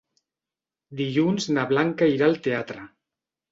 Dilluns na Blanca irà al teatre.